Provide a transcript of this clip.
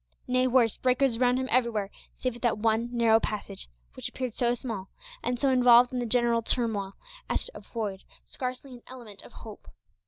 nay, worse, breakers around him everywhere, save at that one narrow passage, which appeared so small, and so involved in the general turmoil, as to afford scarcely an element of hope.